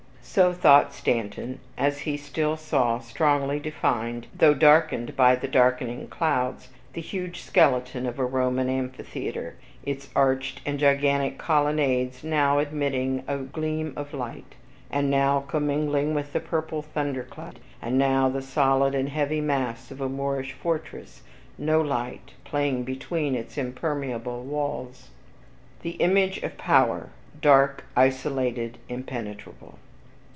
So thought Stanton, as he still saw strongly defined, though darkened by the darkening clouds, the huge skeleton of a Roman amphitheater, its arched and gigantic colonnades now admitting a gleam of light, and now commingling with the purple thunder cloud; and now the solid and heavy mass of a Moorish fortress, no light playing between its impermeable walls, the image of power, dark, isolated, impenetrable.